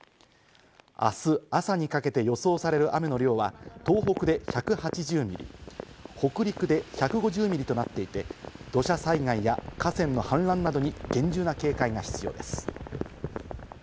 明日、朝にかけて予想される雨の量は東北で１８０ミリ、北陸で１５０ミリとなっていて、土砂災害や河川の氾濫などに厳重な警戒が必要です。